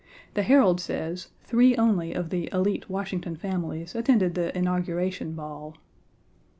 The Herald says three only of the élite Washington families attended the Inauguration Ball.